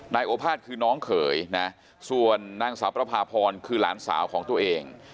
นายโอภาษคือน้องเขยนะส่วนนางสาวประพาพรคือหลานสาวของตัวเอง